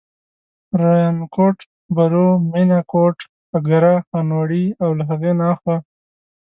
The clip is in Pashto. ریانکوټ، بلو، مېنه، کوټ، اګره، خانوړی او له هغې نه اخوا.